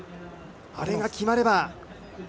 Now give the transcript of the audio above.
あれが決まれば。